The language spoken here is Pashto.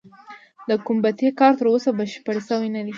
د ګومبتې کار تر اوسه بشپړ شوی نه دی.